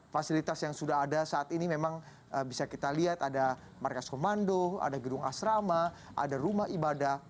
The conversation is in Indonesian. fasilitas yang sudah ada saat ini memang bisa kita lihat ada markas komando ada gedung asrama ada rumah ibadah